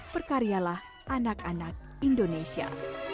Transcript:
bergembiralah anak anak indonesia